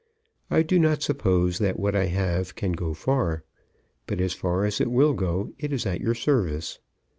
I do not suppose that what I have can go far; but as far as it will go it is at your service.